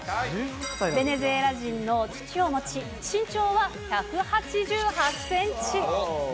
ベネズエラ人の父を持ち、身長は１８８センチ。